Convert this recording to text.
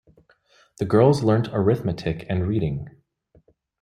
The girls learnt arithmetic and reading.